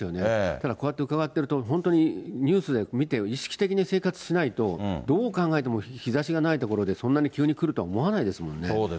ただこうやって伺ってると、本当にニュースで見て、意識的に生活しないと、どう考えても日ざしがない所でそんなに急にくるとは思わないです